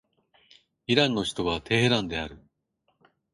イランの首都はテヘランである